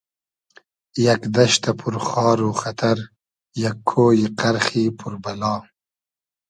یئگ دئشتۂ پور خار و خئتئر یئگ کۉیی قئرخی پور بئلا